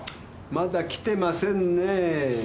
まだ来てませんねー。